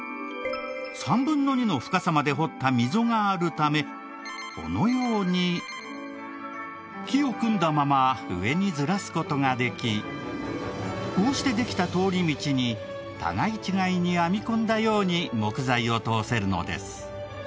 ３分の２の深さまで掘った溝があるためこのように木を組んだまま上にずらす事ができこうしてできた通り道に互い違いに編み込んだように木材を通せるのです。